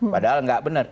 padahal nggak benar